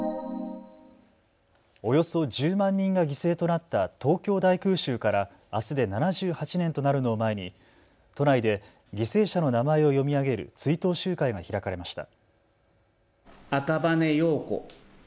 およそ１０万人が犠牲となった東京大空襲からあすで７８年となるのを前に都内で犠牲者の名前を読み上げる追悼集会が開かれました。